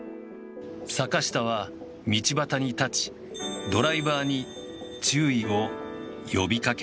坂下は道端に立ちドライバーに注意を呼びかけた。